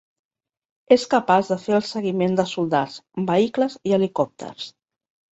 És capaç de fer el seguiment de soldats, vehicles i helicòpters.